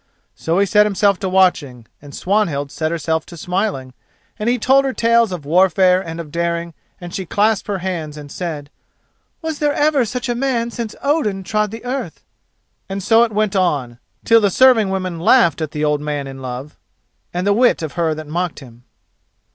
So he set himself to watching, and Swanhild set herself to smiling, and he told her tales of warfare and of daring, and she clasped her hands and said: "Was there ever such a man since Odin trod the earth?" And so it went on, till the serving women laughed at the old man in love and the wit of her that mocked him.